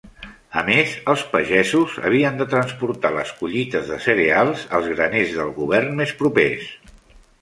A més, els pagesos havien de transportar les collites de cereals als graners del govern més propers.